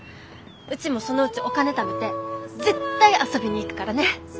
うちもそのうちお金ためて絶対遊びに行くからね！